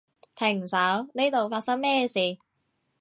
停手，呢度發生咩事？